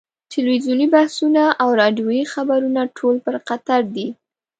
تلویزیوني بحثونه او راډیویي خبرونه ټول پر قطر دي.